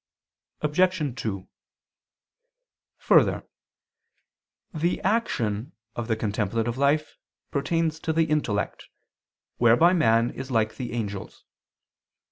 Obj. 2: Further, the action of the contemplative life pertains to the intellect, whereby man is like the angels.